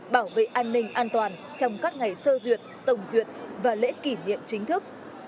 bảo vệ an ninh an toàn trong các ngày sơ duyệt tổng duyệt và lễ kỷ niệm chính thức